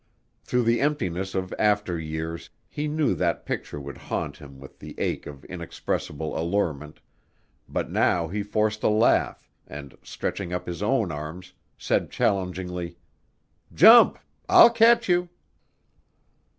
Through the emptiness of after years, he knew that picture would haunt him with the ache of inexpressible allurement, but now he forced a laugh and, stretching up his own arms, said challengingly, "Jump; I'll catch you."